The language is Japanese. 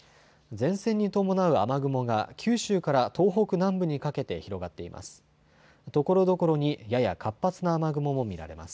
前線に伴う雨雲が九州から東北南部にかけて広がっています。